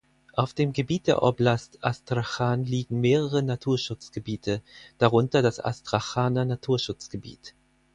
Auf dem Gebiet der Oblast Astrachan liegen mehrere Naturschutzgebiete, darunter das Astrachaner Naturschutzgebiet.